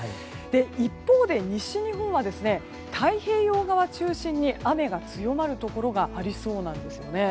一方で、西日本は太平洋側中心に雨が強まるところがありそうなんですね。